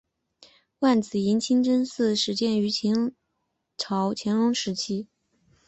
万子营清真寺始建于清朝乾隆年间。